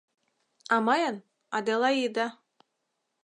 — «А мыйын — Аделаида.